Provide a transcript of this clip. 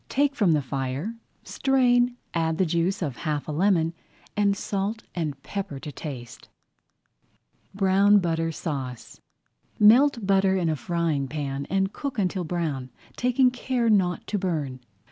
Take from the fire, strain, add the juice of half a lemon, and salt and pepper to season. [Page 19] BROWN BUTTER SAUCE Melt butter in a frying pan and cook until brown, taking care not to burn.